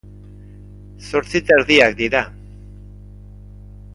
Zortzi eta erdiak dira.